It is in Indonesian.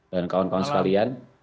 dan kawan kawan sekalian